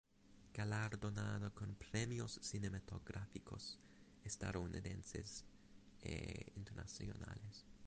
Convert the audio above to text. Galardonada con premios cinematográficos estadounidenses e internacionales.